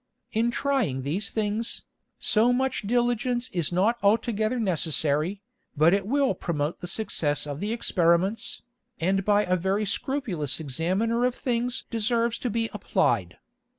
In trying these Things, so much diligence is not altogether necessary, but it will promote the Success of the Experiments, and by a very scrupulous Examiner of Things deserves to be apply'd.